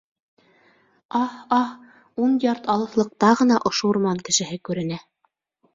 Аһ-аһ, ун ярд алыҫлыҡта ғына ошо урман кешеһе күренә.